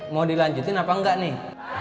mau dilanjutin apa enggak nih